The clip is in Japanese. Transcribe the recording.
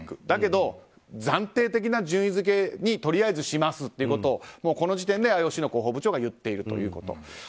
だけど、暫定的な順位づけにとりあえずしますということをこの時点でＩＯＣの広報部長が言っているということ。